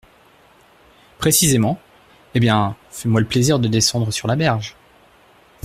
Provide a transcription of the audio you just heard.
Précisément ! eh bien, fais-moi le plaisir de descendre sur la berge…